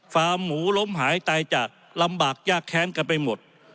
ฟาร์มหมูล้มหายตายจากลำบากยากแค้นกันไปหมด